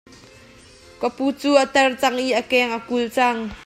Ka pu cu a tar cang i a keng a kul cang.